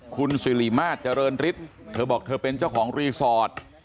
คุณสิริมาตรเจริญฤทธิ์เธอบอกเธอเป็นเจ้าของรีสอร์ท